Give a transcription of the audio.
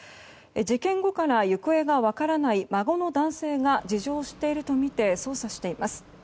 事件後から行方が分からない孫の男性が事情を知っているとみて捜査しています。